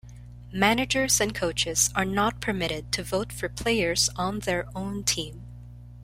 Managers and coaches are not permitted to vote for players on their own team.